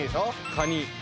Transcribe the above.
カニ。